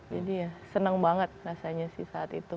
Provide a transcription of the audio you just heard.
jadi ya senang banget rasanya sih saat itu